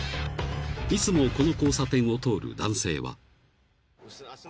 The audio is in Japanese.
［いつもこの交差点を通る男性は］